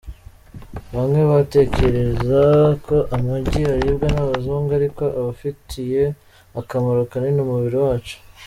Bamwe batekereza ko amagi aribwa n’abazungu, ariko afitiye akamaro kanini umubiri wacu.